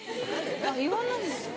・言わないんですか？